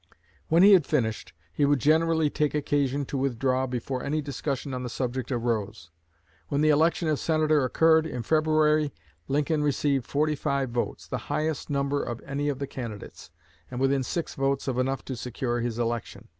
When he had finished, he would generally take occasion to withdraw before any discussion on the subject arose. When the election of Senator occurred, in February, Lincoln received 45 votes the highest number of any of the candidates, and within six votes of enough to secure his election.